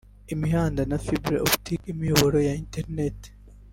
imihanda na fiber optic (imiyoboro ya interineti)